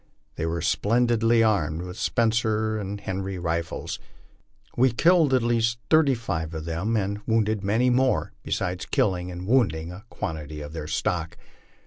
They were splendidly armed with Spencer and Henry rifles. We killed at least thirty five of them and wounded many more, besides killing and wounding a quantity of their stock.